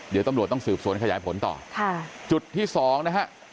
เดี๋ยวตำรวจต้องสืบสวนขยายผลต่อค่ะจุดที่สองนะฮะ